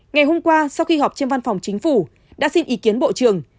ngày hôm qua sau khi họp trên văn phòng chính phủ đã xin ý kiến bộ trưởng